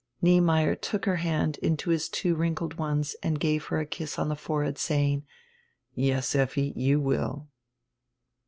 Niemeyer took her hand into his two wrinkled ones and gave her a kiss on die forehead, saying: "Yes, Effi, you will."